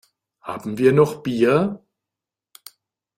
Haben wir noch Bier?